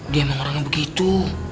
dia emang orangnya begitu